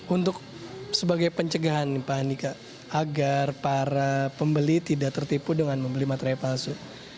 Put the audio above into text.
untuk sebagai pencegahan pak andika agar para pembeli tidak tertipu dengan membeli materai palsu